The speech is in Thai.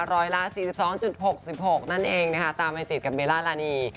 ร้อยละ๔๒๖๖นั่นเองนะคะตามไปติดกับเบลล่ารานี